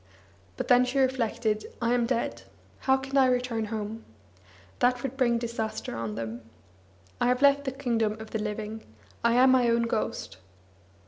But then she reflected: "I am dead. How can I return home? That would bring disaster on them. I have left the kingdom of the living; I am my own ghost!"